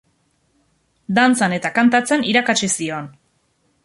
Dantzan eta kantatzen irakatsi zion.